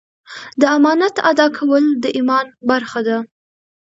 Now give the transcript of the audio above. د امانت ادا کول د ایمان برخه ده.